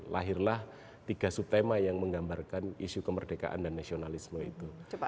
lahirlah tiga subtema yang menggambarkan isu kemerdekaan dan nasionalisme itu